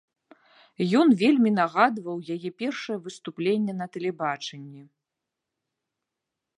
Ён вельмі нагадваў яе першае выступленне на тэлебачанні.